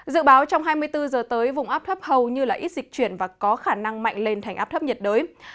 dự báo trong hai mươi bốn giờ tới vùng áp thấp hầu như ít dịch chuyển và có khả năng mạnh lên thành áp thấp nhiệt đới